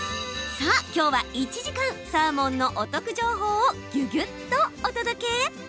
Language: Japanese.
さあ、きょうは１時間サーモンのお得情報をぎゅぎゅっとお届け。